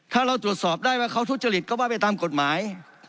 ถ้าเราตรวจสอบได้ว่าเขาทุจริตก็ว่าไปตามกฎหมาย